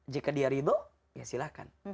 jika dia ridho ya silahkan